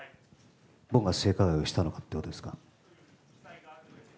僕が性加害をしたのかということですか。